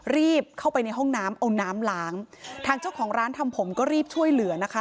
รีบเข้าไปในห้องน้ำเอาน้ำล้างทางเจ้าของร้านทำผมก็รีบช่วยเหลือนะคะ